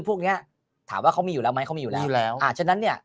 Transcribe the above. พวกนี้ถามว่าเขามีอยู่แล้วไหมเขามีอยู่แล้วอาจฉะนั้นเนี่ย